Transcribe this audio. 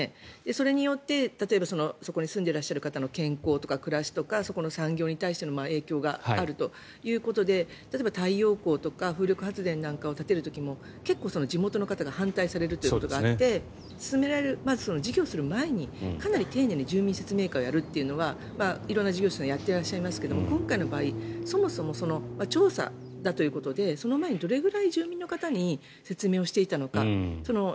それによって、例えばそこに住んでらっしゃる方の健康とか暮らしとかそこの産業に対しての影響があるということで例えば太陽光とか風力発電なんかを建てる時も結構、地元の方が反対されることがあって事業をする前に、かなり丁寧に住民説明会をやるというのは色んな事業者さんやっていらっしゃいますが今回の場合そもそも調査だということでその前にどれくらい住民の方に説明していたのか。